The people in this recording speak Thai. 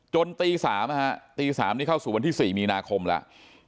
จนตีสามฮะตีสามนี่เข้าสู่วันที่สี่มีนาคมแล้ว